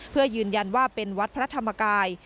เพื่อยืนยันว่าเป็นวัดพระธรรมกาย